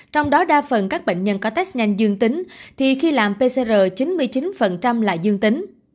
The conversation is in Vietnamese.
trong đó đa phần các bệnh nhân có test nhanh dương tính thì khi làm pcr chín mươi chín là dương tính